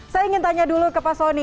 saya ingin tanya dulu ke pak soni